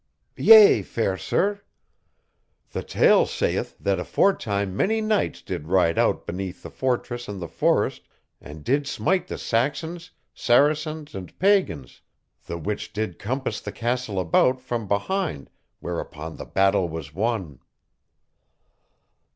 "Yea, fair sir. The tale saith that aforetime many knights did ride out beneath the fortress and the forest and did smite the Saxons, Saracens, and Pagans, the which did compass the castle about, from behind, whereupon the battle was won."